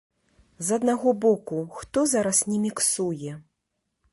З аднаго боку, хто зараз не міксуе?